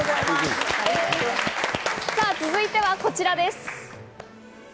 続いてはこちらです。